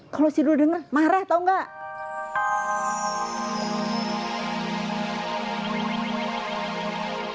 kalau si dul denger marah tau nggak